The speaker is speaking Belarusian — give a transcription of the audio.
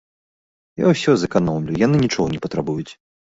Я ўсё зэканомлю, яны нічога не патрабуюць.